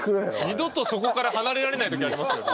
二度とそこから離れられない時ありますよね。